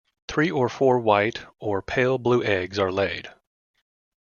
Three or four white or pale blue eggs are laid.